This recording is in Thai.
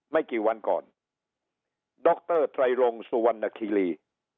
ไม่กี่วันก่อนดรไตรรงสุวรรณคิรี